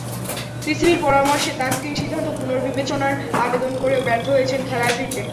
বিসিবির পরামর্শে তাসকিন সিদ্ধান্ত পুনর্বিবেচনার আবেদন করেও ব্যর্থ হয়েছেন খেলায় ফিরতে।